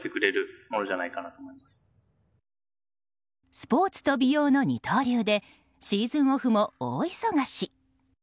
スポーツと美容の二刀流でシーズンオフも大忙し。